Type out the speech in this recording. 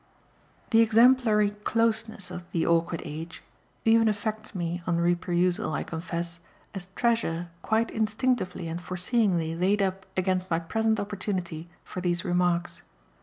The exemplary closeness of "The Awkward Age" even affects me, on re perusal, I confess, as treasure quite instinctively and foreseeingly laid up against my present opportunity for these remarks.